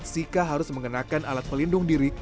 sika harus mengenakan alat pelindung diri